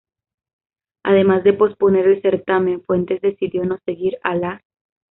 Además de posponer el certamen, Fuentes decidió no seguir a la.